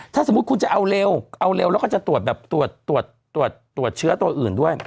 ถ้าสมมติคุณจะเอาเร็วเอาเร็วแล้วก็จะตรวจเชื้อตัวอื่นด้วย